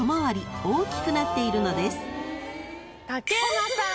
竹山さん